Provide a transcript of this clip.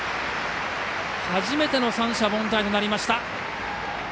初めての三者凡退となりました。